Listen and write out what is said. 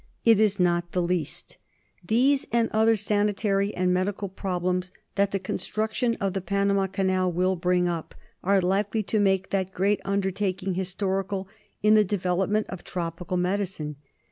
It is not the least. These, and other sanitary and medical problems that the construction of the Panama Canal will bring up, 2l6 PROBLEMS IN TROPICAL MEDICINE. are likely to make that great undertaking historical in the development of tropical medicine.